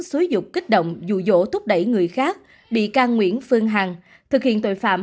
xúi dục kích động dụ dỗ thúc đẩy người khác bị can nguyễn phương hằng thực hiện tội phạm